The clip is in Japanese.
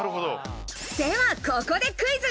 では、ここでクイズ。